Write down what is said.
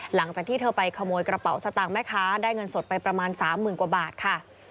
หลังจากที่เธอไปขโมยกระเป๋าสตางค์แม่ค้าได้เงินสดไปประมาณ๓๐๐๐กว่าบาทค่ะ